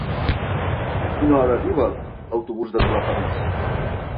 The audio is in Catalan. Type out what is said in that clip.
A quina hora arriba l'autobús de Vilafamés?